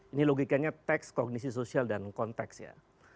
ini logikanya teks kognisi sosial dan konteks ya